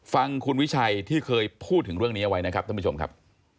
ฟังคุณวิชชาินิวที่เคยพูดถึงเรื่องเนี้ยไปนะครับท่านผู้ชมครับ